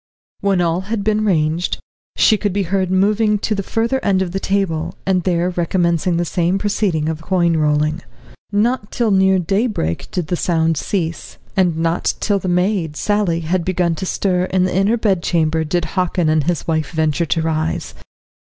When all had been ranged, she could be heard moving to the further end of the table, and there recommencing the same proceeding of coin rolling. Not till near daybreak did this sound cease, and not till the maid, Sally, had begun to stir in the inner bedchamber did Hockin and his wife venture to rise.